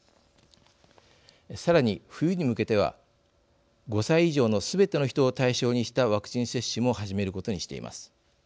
さらに冬に向けては５歳以上のすべての人を対象にしたワクチン接種も始めることにしています。